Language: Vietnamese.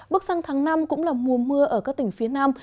bước sang tháng năm cũng là mùa mưa ở các tỉnh phía nam